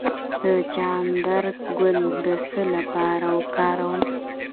د چغندر ګل د څه لپاره وکاروم؟